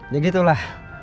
ya gitu lah